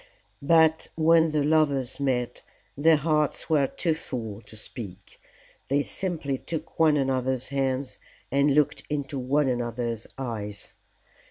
But when the lovers met, their hearts were too full to speak. They simply took one another's hands and looked into one another's eyes.